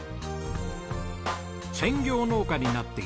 専業農家になって１年。